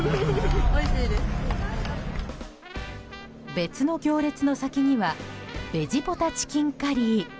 別の行列の先にはベジポタチキンカリー。